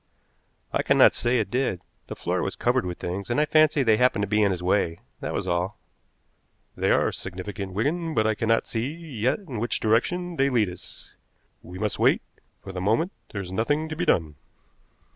"I cannot say it did. The floor was covered with things, and I fancy they happened to be in his way, that was all." "They are significant, Wigan, but I cannot see yet in which direction they lead us. We must wait; for the moment there is nothing to be done."